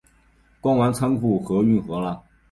逛完仓库和运河了